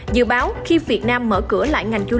dự báo khi việt nam mở cửa lại ngành khách sạn